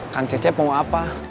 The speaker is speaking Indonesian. kang cecep mau apa